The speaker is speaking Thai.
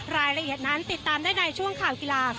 รายละเอียดนั้นติดตามได้ในช่วงข่าวกีฬา